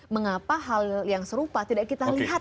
mengapa hal yang serupa tidak kita lihat